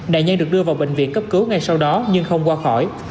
nạn nhân được đưa vào bệnh viện cấp cứu ngay sau đó nhưng không qua khỏi